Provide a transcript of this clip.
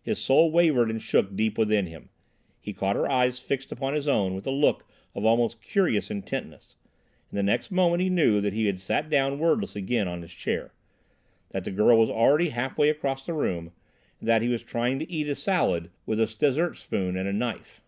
His soul wavered and shook deep within him. He caught her eyes fixed upon his own with a look of most curious intentness, and the next moment he knew that he had sat down wordless again on his chair, that the girl was already half way across the room, and that he was trying to eat his salad with a dessert spoon and a knife.